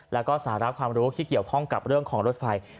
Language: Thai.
แล้วก็สาระความรู้ที่เกี่ยวข้องกับเรื่องของรถไฟ